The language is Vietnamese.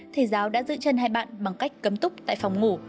thầy giáo đã giữ chân hai bạn bằng cách cấm túc tại phòng ngủ